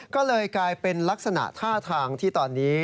ก็เลยกลายเป็นลักษณะท่าทางที่ตอนนี้